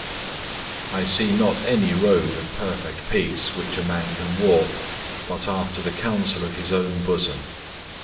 I see not any road of perfect peace which a man can walk, but after the counsel of his own bosom.